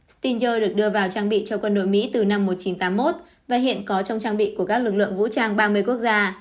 stinger được đưa vào trang bị cho quân đội mỹ từ năm một nghìn chín trăm tám mươi một và hiện có trong trang bị của các lực lượng vũ trang ba mươi quốc gia